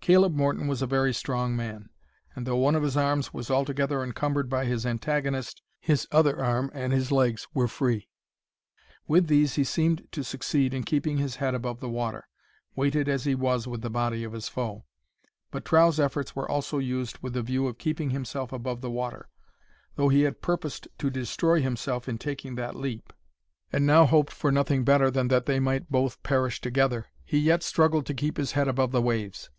Caleb Morton was a very strong man, and though one of his arms was altogether encumbered by his antagonist, his other arm and his legs were free. With these he seemed to succeed in keeping his head above the water, weighted as he was with the body of his foe. But Trow's efforts were also used with the view of keeping himself above the water. Though he had purposed to destroy himself in taking that leap, and now hoped for nothing better than that they might both perish together, he yet struggled to keep his head above the waves.